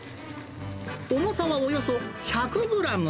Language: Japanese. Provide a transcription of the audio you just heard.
重さはおよそ１００グラム。